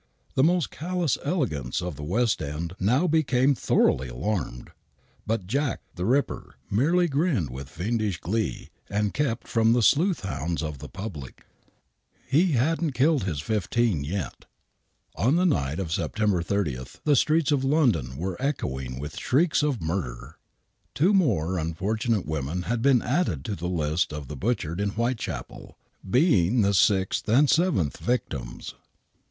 The most callous elegants of the West End now became thoroughly alarmed. But " Jack, the Ripper " merely grinned with fiendish glee, Rnd kept from the sleuthhounds of the public. THE WHITECHAPEL MURDERS 35 He hadn't killed his fifteen yet. On the night of September 30 the streets of London were echoing with shrieks of murder. Two more unfortunate women had been added to the list of the butchered in Whitechapel, being the sixth and seventh victims.